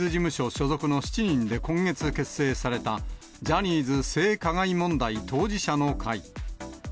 所属の７人で今月結成された、ジャニーズ性加害問題当事者の会。